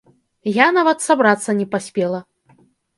Я нават сабрацца не паспела.